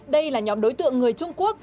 đây là nhóm đối tượng người trung quốc